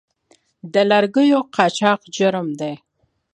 د لرګیو قاچاق جرم دی